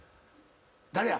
誰や？